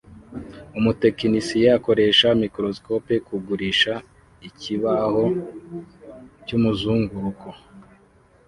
Umutekinisiye akoresha microscope kugurisha ikibaho cyumuzunguruko